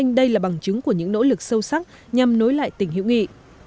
hằng chứng của những nỗ lực sâu sắc nhằm nối lại tình hữu nghị